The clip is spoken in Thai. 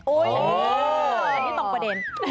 โอ้ยตรงประเทน